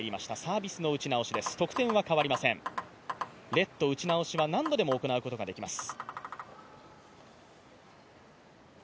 ネット打ち直しは何度でも行うことができます。